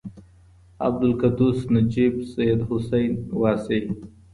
عبدالقدوس نجيب سيدحسين واسعي